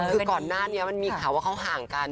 คือก่อนหน้านี้มันมีข่าวว่าเขาห่างกัน